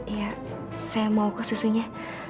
iya saya mau ke susunya